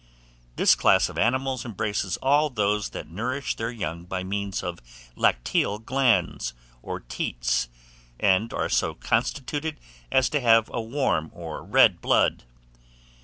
THIS CLASS OF ANIMALS embraces all those that nourish their young by means of lacteal glands, or teats, and are so constituted as to have a warm or red blood.